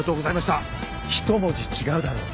１文字違うだろう！